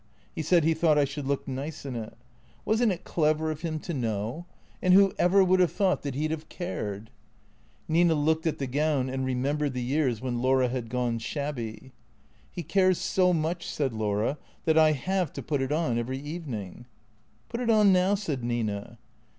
He said he thought I should look nice in it. Was n't it clever of him to 384 THECREATORS know ? And who ever would have thought that he 'd have cared ?" Nina looked at the gown and remembered the years when Laura had gone shabby. " He cares so much/' said Laura, " that I have to put it on every evening." " Put it on now," said Nina.